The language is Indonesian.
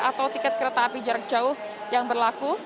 atau tiket kereta api jarak jauh yang berlaku